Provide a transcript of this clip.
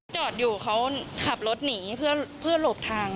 จอดอยู่เขาขับรถหนีเพื่อหลบทาง